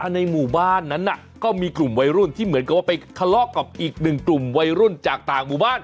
ในหมู่บ้านนั้นก็มีกลุ่มวัยรุ่นที่เหมือนกับว่าไปทะเลาะกับอีกหนึ่งกลุ่มวัยรุ่นจากต่างหมู่บ้าน